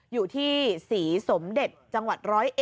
อยู่ที่ศรีสมเด็จจังหวัด๑๐๑